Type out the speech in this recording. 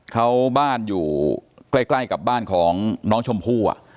เขาบ้านอยู่ใกล้กับบ้านของน้องชมพู่